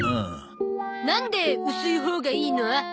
なんで薄いほうがいいの？